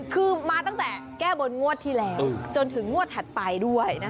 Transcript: คือมาตั้งแต่แก้บนงวดที่แล้วจนถึงงวดถัดไปด้วย